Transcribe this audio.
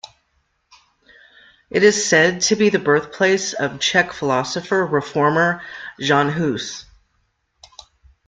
It is said to be the birthplace of Czech philosopher, reformer Jan Hus.